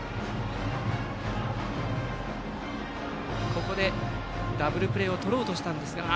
ここでダブルプレーをとろうとしたんですが。